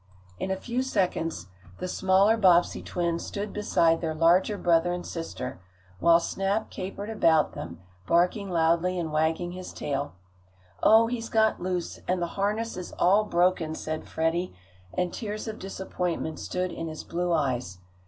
In a few seconds the smaller Bobbsey twins stood beside their larger brother and sister, while Snap capered about them, barking loudly and wagging his tail. "Oh, he's got loose, and the harness is all broken," said Freddie, and tears of disappointment stood in his blue eyes.